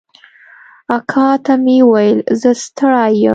اکا ته مې وويل زه ستړى يم.